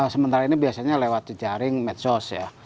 sementara ini biasanya lewat jaring medsos ya